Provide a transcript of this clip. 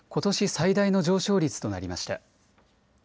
最大の上昇率となりました。